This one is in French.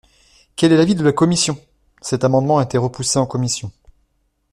Quel est l’avis de la commission ? Cet amendement a été repoussé en commission.